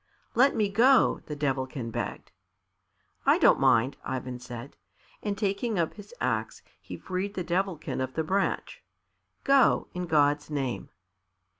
"Let me go," the Devilkin begged. "I don't mind," Ivan said, and taking up his axe, he freed the Devilkin of the branch. "Go, in God's name."